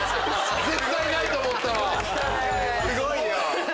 すごいよ！